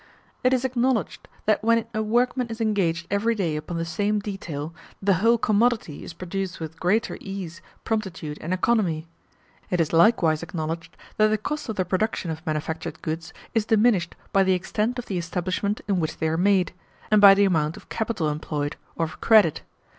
It is acknowledged that when a workman is engaged every day upon the same detail, the whole commodity is produced with greater ease, promptitude, and economy. It is likewise acknowledged that the cost of the production of manufactured goods is diminished by the extent of the establishment in which they are made, and by the amount of capital employed or of credit.